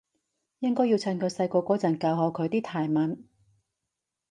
應該要趁佢細個嗰陣教好佢啲泰文